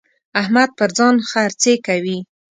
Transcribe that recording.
احمد پر ځان خرڅې کوي.